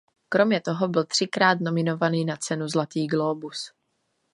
Kromě toho byl třikrát nominovaný na cenu Zlatý glóbus.